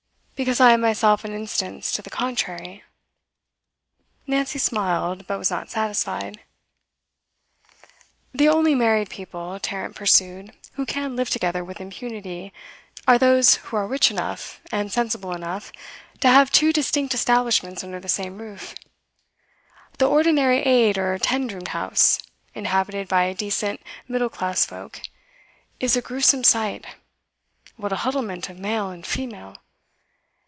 'Because I am myself an instance to the contrary.' Nancy smiled, but was not satisfied. 'The only married people,' Tarrant pursued, 'who can live together with impunity, are those who are rich enough, and sensible enough, to have two distinct establishments under the same roof. The ordinary eight or ten roomed house, inhabited by decent middle class folk, is a gruesome sight. What a huddlement of male and female!